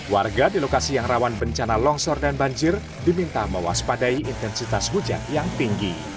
warga di lokasi yang rawan bencana longsor dan banjir diminta mewaspadai intensitas hujan yang tinggi